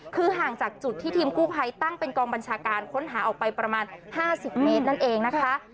คือห่างจากจุดที่ทีมกู้ภัยตั้งเป็นกองบัญชาการค้นหาออกไปประมาณ๕๐เมตรนั่นเองนะคะ